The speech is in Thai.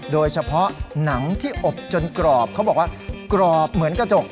โดยเฉพาะหนังที่อบจนกรอบเขาบอกว่ากรอบเหมือนกระจก